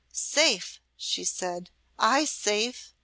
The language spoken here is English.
"Safe!" she said. "I safe!"